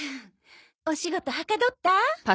お仕事はかどった？